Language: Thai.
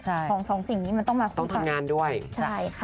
ของสองสิ่งนี้มันต้องมาคุมต่อ